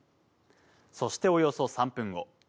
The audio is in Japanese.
そしておよそ３分後。